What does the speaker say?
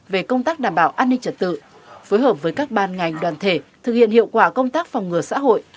về công tác đảm bảo an ninh trật tự phối hợp với các ban ngành đoàn thể thực hiện hiệu quả công tác phòng ngừa xã hội